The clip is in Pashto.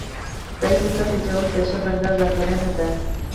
خدای ته سر ټيټول د ښه بنده ځانګړنه ده.